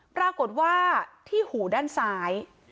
ปรากฏว่าที่หูด้านซ้าย